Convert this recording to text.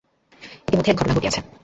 ইতিমধ্যে এক ঘটনা ঘটিয়াছে।